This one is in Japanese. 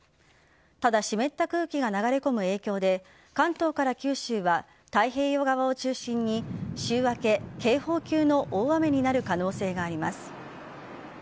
ただ、湿った空気が流れ込む影響で関東から九州は太平洋側を中心に週明け、警報級の大雨になる可能性があります。